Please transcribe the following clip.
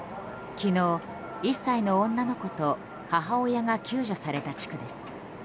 昨日、１歳の女の子と母親が救助された地区です。